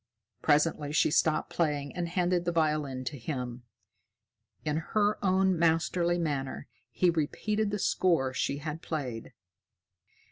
Presently she stopped playing and handed the violin to him. In her own masterly manner, he repeated the score she had played.